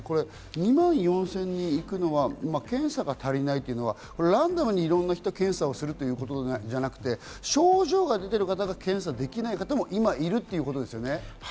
２万４０００人行くのは検査が足りないというのはランダムにいろんな人に検査するということではなく、症状が出ている方が検査できない方も今いるということですね。